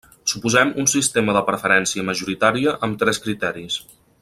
Suposem un sistema de preferència majoritària amb tres criteris.